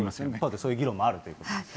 そういう議論もあるということですね。